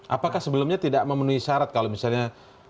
apakah sebelumnya tidak memenuhi syarat kalau misalnya